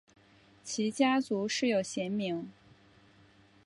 其家族世有贤名。